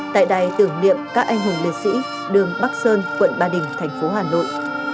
tại đài tưởng niệm các anh hùng liệt sĩ đường bắc sơn quận ba đình thành phố hà nội